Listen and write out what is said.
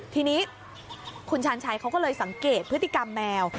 ทีนี้คุณชาญชัยเขาก็เลยสังเกตพฤติกรรมแมว